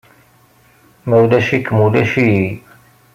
Ma ulac-ikem, ulac-iyi.